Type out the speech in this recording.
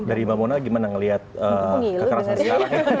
dari mbak mona bagaimana melihat kekerasan sekarang